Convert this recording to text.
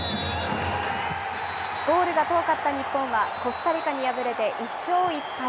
ゴールが遠かった日本は、コスタリカに敗れて１勝１敗。